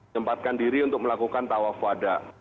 tempatkan diri untuk melakukan tawaf wadah